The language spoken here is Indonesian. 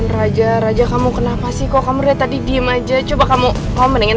raja raja kamu kenapa sih kok kamu dari tadi diem aja coba kamu komenin